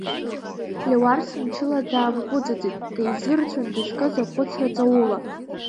Леуарса мчыла даамҟәыҵыҵит деизырҵәан дызкыз ахәыцра ҵаула.